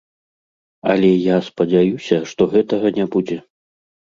Але я спадзяюся, што гэтага не будзе.